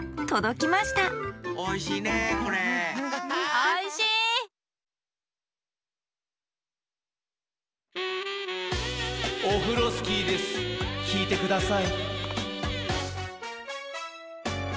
きいてください。